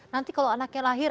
nanti kalau anaknya lahir